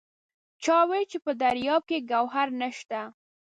چا وایل چې په دریاب کې ګوهر نشته!